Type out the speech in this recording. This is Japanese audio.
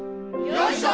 よいしょ！